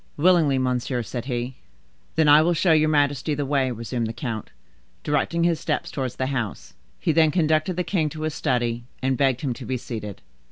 "Willingly, monsieur," said he. "Then I will show your majesty the way," resumed the count, directing his steps towards the house. He then conducted the king to his study, and begged him to be seated.